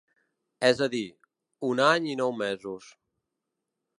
És a dir, un any i nou mesos.